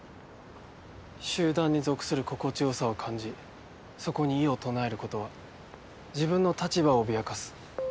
集団に属する心地よさを感じそこに異を唱えることは自分の立場を脅かす。